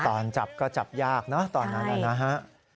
ตอนจับก็จับยากนะตอนนั้นนะฮะ